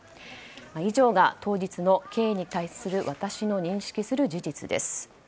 以上が当日の経緯に対する私の認識する事実です。